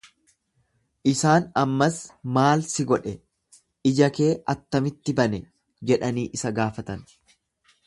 Isaan ammas, Maal si godhe? Ija kee attamitti bane? jedhanii isa gaafatan.